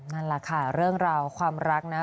นั่นแหละค่ะเรื่องราวความรักนะ